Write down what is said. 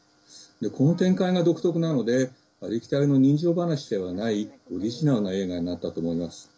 この展開が独特なのでありきたりの人情噺ではないオリジナルな映画になったと思います。